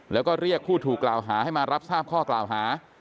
แล้วก็เรียกผู้ถูกกล่าวหาให้มารับทราบข้อกล่าวหา